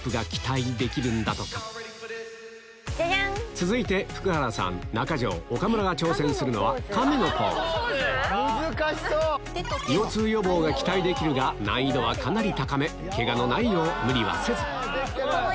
続いて福原さん中条岡村が挑戦するのは亀のポーズ難易度はかなり高めケガのないよう無理はせず！